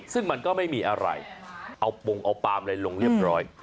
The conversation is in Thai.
ซึ่งมันก็ไม่มีอะไรเอาปงเอาปามอะไรลงเรียบร้อย